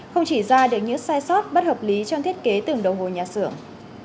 không chỉ ra được những sai sót bất hợp lý trong thiết kế tường đầu hồi nhà xưởng